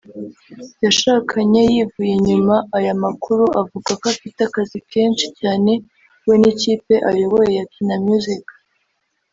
yahakanye yivuye inyuma aya makuru avuga ko afite akazi kenshi cyane we n’ikipe ayoboye ya Kina Music